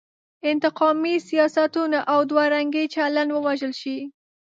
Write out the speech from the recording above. انتقامي سیاستونه او دوه رنګی چلن ووژل شي.